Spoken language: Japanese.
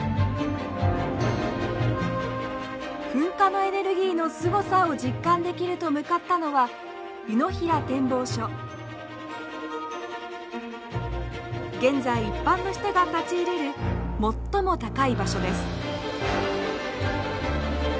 噴火のエネルギーのすごさを実感できると向かったのは現在一般の人が立ち入れる最も高い場所です。